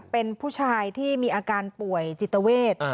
เป็นผู้ชายที่มีอาการป่วยจิตเวท